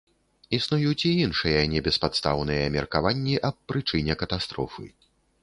Існуюць і іншыя небеспадстаўныя меркаванні аб прычыне катастрофы.